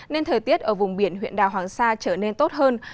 nên thời tiết ở vùng biển huyện đảo hoàng sa trở nên tốt hơn